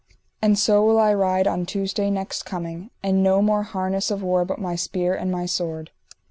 And so will I ride on Tuesday next coming, and no more harness of war but my spear and my sword.